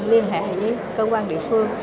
liên hệ với cơ quan địa phương